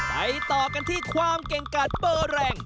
ต่อกันที่ความเก่งกัดเบอร์แรง